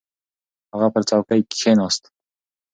هغه پر څوکۍ کښېناست.